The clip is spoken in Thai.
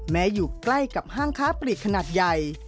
อยู่ใกล้กับห้างค้าปลีกขนาดใหญ่